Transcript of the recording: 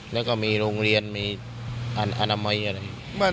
แล้วก็มีโรงเรียนมีอนามัยอะไร